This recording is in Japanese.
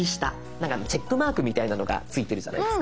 なんかチェックマークみたいなのがついてるじゃないですか。